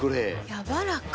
やわらか。